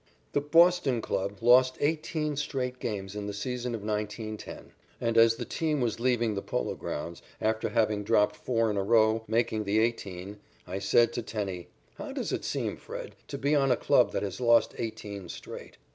The Boston club lost eighteen straight games in the season of 1910, and as the team was leaving the Polo Grounds after having dropped four in a row, making the eighteen, I said to Tenney: "How does it seem, Fred, to be on a club that has lost eighteen straight?"